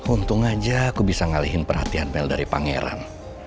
untung aja aku bisa ngalihin perhatian bel dari pangeran